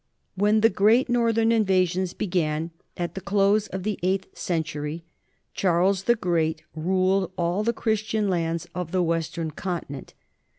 When the great northern invasions began at the close of the eighth century, Charles the Great ruled all the Christian lands of the western Continent.